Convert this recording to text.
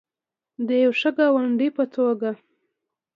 د یو ښه ګاونډي په توګه.